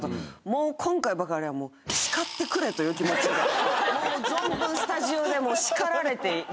もう今回ばかりはもう叱ってくれという気持ちでもう存分スタジオで叱られていい